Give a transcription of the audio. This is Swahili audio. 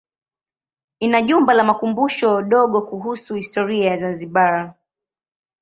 Ina jumba la makumbusho dogo kuhusu historia ya Zanzibar.